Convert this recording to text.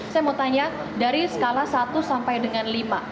saya mau tanya dari skala satu sampai dengan lima